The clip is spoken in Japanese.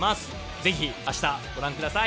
ぜひあしたご覧ください。